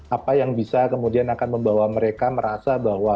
apa yang bisa kemudian akan membawa mereka merasa bahwa operasinya sudah berhasil